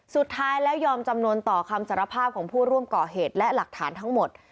สุดท้ายแล้วยอมจำนวนต่อคำสารภาพของผู้ร่วมก่อเหตุและหลักฐานทั้งหมด